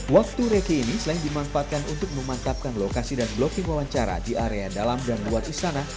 waktu reki ini selain dimanfaatkan untuk memantapkan lokasi dan blocking wawancara di area dalam dan luar istana